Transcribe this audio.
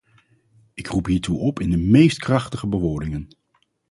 Ik roep hiertoe op in de meest krachtige bewoordingen.